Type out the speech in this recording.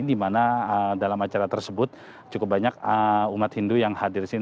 di mana dalam acara tersebut cukup banyak umat hindu yang hadir di sini